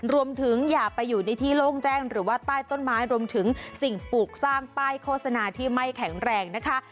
อย่าไปอยู่ในที่โล่งแจ้งหรือว่าใต้ต้นไม้รวมถึงสิ่งปลูกสร้างป้ายโฆษณาที่ไม่แข็งแรงนะคะ